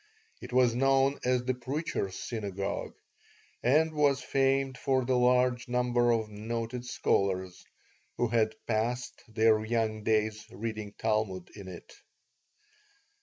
It was known as the Preacher's Synagogue, and was famed for the large number of noted scholars who had passed their young days reading Talmud in it.